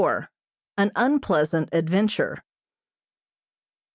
AN UNPLEASANT ADVENTURE.